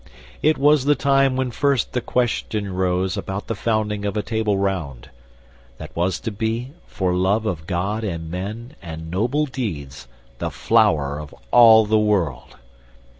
It was the time when first the question rose About the founding of a Table Round, That was to be, for love of God and men And noble deeds, the flower of all the world.